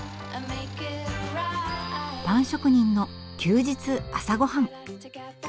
パン職人の休日朝ごはん！